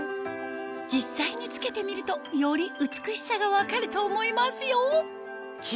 実際に着けてみるとより美しさが分かると思いますよ！